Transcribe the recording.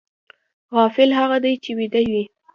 غافل هغه دی چې ویده وي